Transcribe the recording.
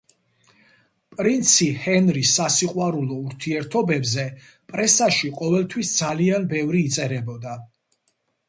პრინცი ჰენრის სასიყვარულო ურთიერთობებზე პრესაში ყოველთვის ძალიან ბევრი იწერებოდა.